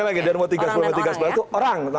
dan yang tiga butir tiga sebaliknya itu orang